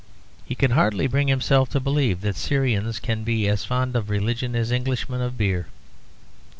He can hardly bring himself to believe that Syrians can be as fond of religion as Englishmen of beer.